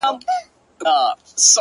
o سترگه وره انجلۍ بيا راته راگوري ـ